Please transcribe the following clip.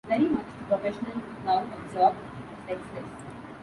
Very much the professional now, absorbed, sexless.